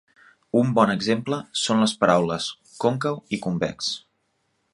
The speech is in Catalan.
Un bon exemple són les paraules "còncau" i "convex".